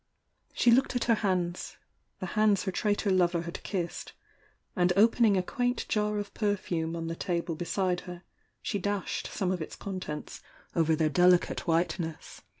She looked at her hands — the hands her traitor lover had kissed — and opening a quaint jar of perfume on the table beside her, she dashed some of its contents over their deli cate whiteness.